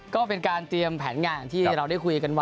ก็เป็นการเตรียมแผนงานที่เราได้คุยกันไว้